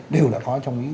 đều là có trong ý thức